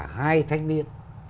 hai thanh niên